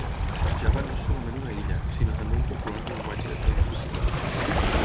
Java no és solament una illa, sinó també un popular llenguatge de programació.